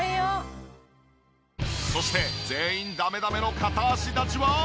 そして全員ダメダメの片足立ちは。